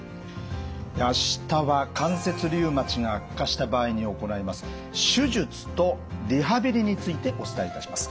明日は関節リウマチが悪化した場合に行います手術とリハビリについてお伝えいたします。